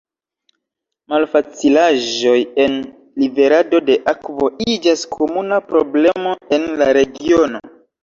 Malfacilaĵoj en liverado de akvo iĝas komuna problemo en la regiono.